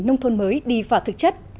nông thôn mới đi vào thực chất